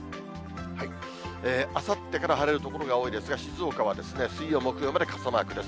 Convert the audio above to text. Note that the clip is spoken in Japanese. あさってから晴れる所が多いですが、静岡は水曜、木曜まで傘マークです。